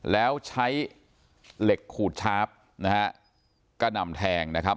แล้วใช้เหล็กขูดชาร์ฟนะฮะกระหน่ำแทงนะครับ